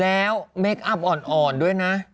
แล้วเมคอัพอ่อนด้วยนะ